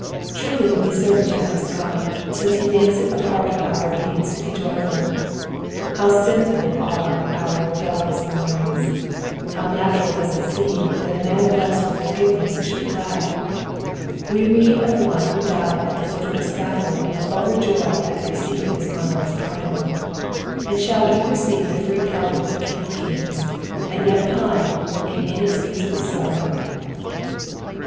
Truly we Reire b generous God, since be makes it a p&it of our obedience to be joyfuL How Binful are our rebetlioua raurmuricgB \ Bow natural does it acem that a man bleat with forgireneaa should be glad ! We rend ol one who died at the foot of the BcaHold of overjoy at the receipt of liis monarch's pardon ; and sh&U we receive the free pardon of the King of kingn and yet piue in inexcusable sorrow!